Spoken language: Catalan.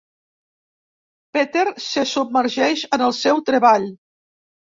Peter se submergeix en el seu treball.